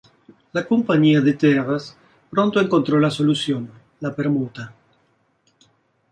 La "Companhia de Terras" pronto encontró la solución, la permuta.